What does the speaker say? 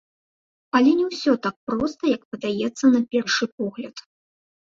Але не ўсё так проста, як падаецца на першы погляд.